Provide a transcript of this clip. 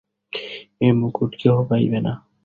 এ মুকুট কেহ পাইবে না।